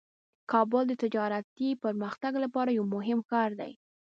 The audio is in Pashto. کابل د تجارتي پرمختګ لپاره یو مهم ښار دی.